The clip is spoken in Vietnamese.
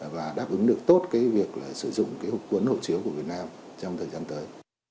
và đáp ứng được tốt cái việc sử dụng cái hộ chiếu của việt nam trong thời gian tới